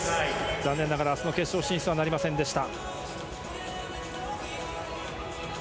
残念ながら明日の決勝進出はなりませんでした。